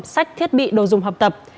sách thiết bị đồ dùng học tập